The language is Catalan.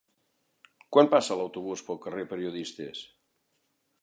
Quan passa l'autobús pel carrer Periodistes?